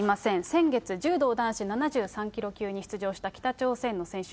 先月、柔道男子７３キロ級に出場した北朝鮮の選手。